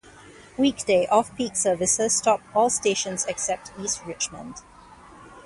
Weekday off peak services stop all stations except East Richmond.